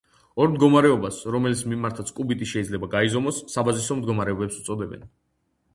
ორ მდგომარეობას, რომელის მიმართაც კუბიტი შეიძლება გაიზომოს, საბაზისო მდგომარეობებს უწოდებენ.